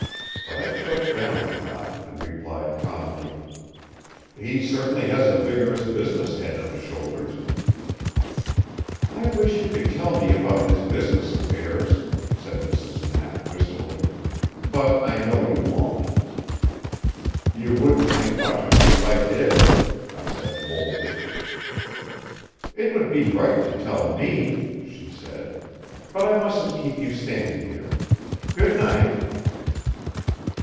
But I choked down the thought, and replied calmly: "He certainly has a vigorous business head on his shoulders." "I wish you could tell me about his business affairs," said Mrs. Knapp wistfully. "But I know you won't." "You wouldn't think much of me if I did," I said boldly. "It would be right to tell me," she said. "But I mustn't keep you standing here. Good night."